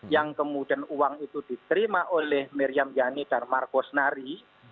yang kemudian uang itu diterima oleh miriam yani dan marcos nari